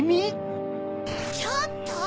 ちょっと！